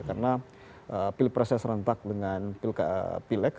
karena pilpresnya serentak dengan pilk pileks